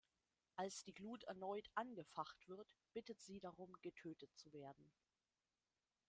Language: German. Als die Glut erneut angefacht wird, bittet sie darum, getötet zu werden.